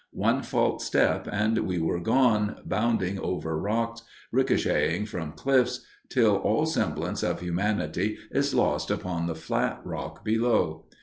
One false step and we are gone bounding over rocks, ricocheting from cliffs, till all semblance of humanity is lost upon the flat rock below.